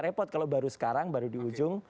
repot kalau baru sekarang baru di ujung